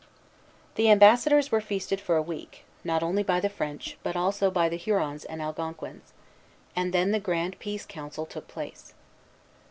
The ambassadors were feasted for a week, not only by the French, but also by the Hurons and Algonquins; and then the grand peace council took place.